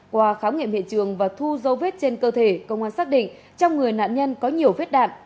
qua khám nghiệm hiện trường và thu dấu vết trên cơ thể công an xác định trong người nạn nhân có nhiều vết đạn